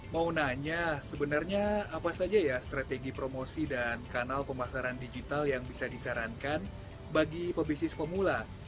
mau nanya sebenarnya apa saja ya strategi promosi dan kanal pemasaran digital yang bisa disarankan bagi pebisnis pemula